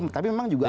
tapi memang juga ada